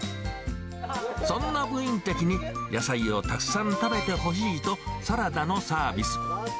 そんな部員たちに野菜をたくさん食べてほしいと、サラダのサービス。